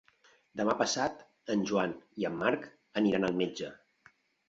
Demà passat en Joan i en Marc aniran al metge.